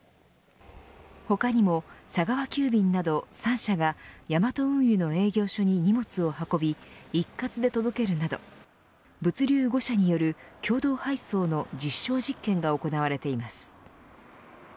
他にも佐川急便など３社がヤマト運輸の営業所に荷物を運び一括で届けるなど物流５社による共同配送の実証実験が行われています。